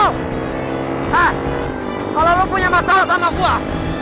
hah kalau lo punya masalah sama gue turun